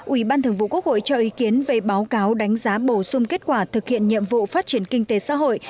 ủy ban thường vụ quốc hội cho ý kiến về báo cáo đánh giá bổ sung kết quả thực hiện nhiệm vụ phát triển kinh tế xã hội